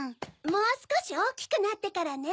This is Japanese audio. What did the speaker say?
もうすこしおおきくなってからね。